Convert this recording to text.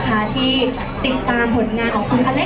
ก็ไม่มีคนกลับมาหรือเปล่า